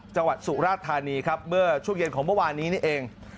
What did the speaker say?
สุราธานีครับเมื่อช่วงเย็นของเมื่อวานนี้นี่เอง